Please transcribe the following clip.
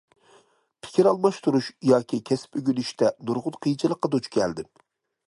پىكىر ئالماشتۇرۇش ياكى كەسىپ ئۆگىنىشتە نۇرغۇن قىيىنچىلىققا دۇچ كەلدىم.